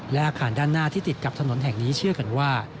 และอาคารด้านหน้าที่ติดกับถนนแห่งนี้เชื่อกันว่า